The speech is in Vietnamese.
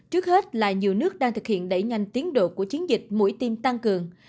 trước hết là nhiều nước đang thực hiện đẩy nhanh tiến độ của chiến dịch mũi tim tăng cường